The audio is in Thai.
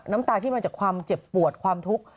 น้ำตาที่มาจากความเจ็บปวดความทุกข์